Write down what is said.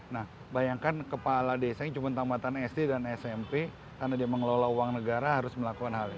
nah bayangkan kepala desanya cuma tamatan sd dan smp karena dia mengelola uang negara harus melakukan hal ini